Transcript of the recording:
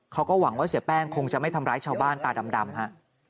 เขาก็หวังว่าเสียแป้งคงจะไม่ทำร้ายชาวบ้านตาดำฮะ